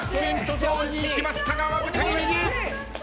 ゾーンにいきましたがわずかに右。